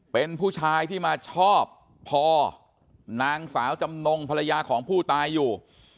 เป็นผู้ชายที่มาชอบพอนางสาวจำนงภรรยาของผู้ตายอยู่